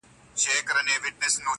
څومره دي لا وګالو زخمونه د پېړیو!!